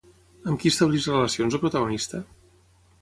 Amb qui estableix relacions el protagonista?